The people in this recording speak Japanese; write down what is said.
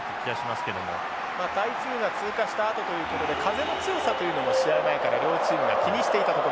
まあ台風が通過したあとということで風の強さというのも試合前から両チームが気にしていたところです。